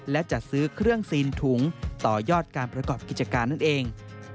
และจัดซื้อเครื่องซีนถุงต่อยอดการประกอบกิจการนั่นเอง